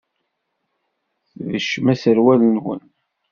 Tbeccem aserwal-nwen.